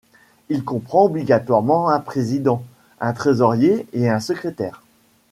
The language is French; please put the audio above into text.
Il comprend obligatoirement un président, un trésorier et un secrétaire.